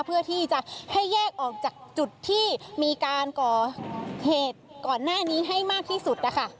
เพื่อที่จะให้แยกออกจากจุดที่มีการก่อเหตุก่อนหน้านี้ให้มากที่สุดนะคะ